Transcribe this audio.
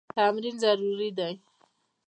تمرین ضروري دی.